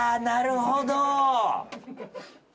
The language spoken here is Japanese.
なるほど。